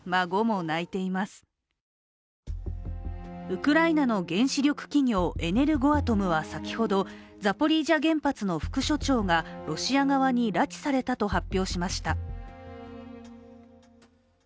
ウクライナの原子力企業、エネルゴアトムは先ほどザポリージャ原発の副所長がロシア側に拉致されたと発表しました。